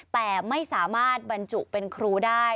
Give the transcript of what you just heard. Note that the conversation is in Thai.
แต่ไม่สามารถบรรจุเป็นครูได้